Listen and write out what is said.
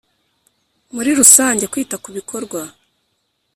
Muri rusange kwita ku bikorwa